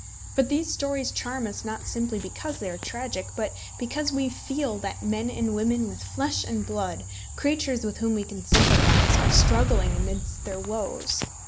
But these stories charm us not simply because they are tragic, but because we feel that men and women with flesh and blood, creatures with whom we can sympathise, are struggling amidst their woes.